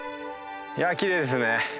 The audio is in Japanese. いやきれいですね。